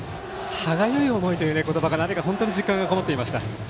歯がゆい思いという言葉が実感がこもっていました。